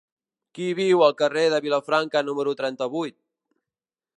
Qui viu al carrer de Vilafranca número trenta-vuit?